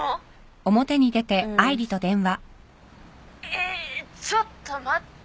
えちょっと待って。